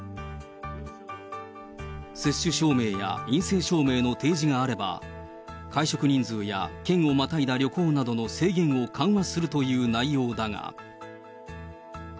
接種証明や陰性証明の提示があれば、会食人数や県をまたいだ旅行などの制限を緩和するという内容だが。